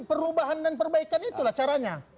perubahan dan perbaikan itulah caranya